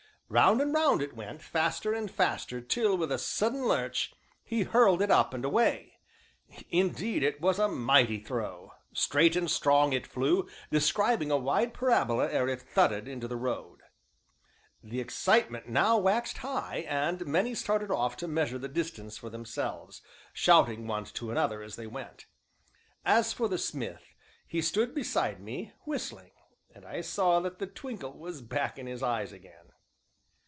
Round and round it went, faster and faster, till, with a sudden lurch, he hurled it up and away. Indeed it was a mighty throw! Straight and strong it flew, describing a wide parabola ere it thudded into the road. The excitement now waxed high, and many started off to measure the distance for themselves, shouting one to another as they went. As for the smith, he stood beside me, whistling, and I saw that the twinkle was back in his eyes again.